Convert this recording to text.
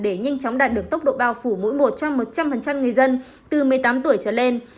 để nhanh chóng đạt được tốc độ bao phủ mỗi một trong một trăm linh người dân từ một mươi tám tuổi trở lên